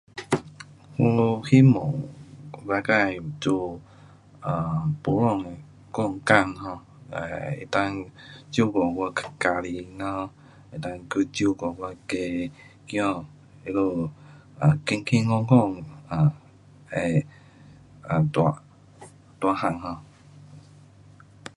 我自己做普通的工，照顾我家庭，照顾我家，儿他们平平安安，会长大。